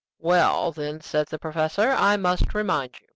"Well, then," said the professor, "I must remind you.